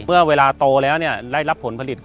เมื่อเวลาโตแล้วได้รับผลผลิต